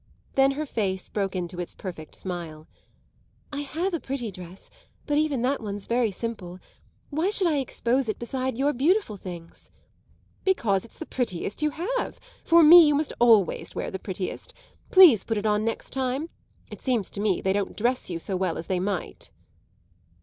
Then her face broke into its perfect smile. "I have a pretty dress, but even that one's very simple. Why should I expose it beside your beautiful things?" "Because it's the prettiest you have; for me you must always wear the prettiest. Please put it on the next time. It seems to me they don't dress you so well as they might."